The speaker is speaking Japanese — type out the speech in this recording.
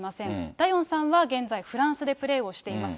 ダヨンさんは現在、フランスでプレーをしています。